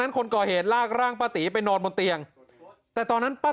คนก่อเหตุลากร่างป้าตีไปนอนบนเตียงแต่ตอนนั้นป้า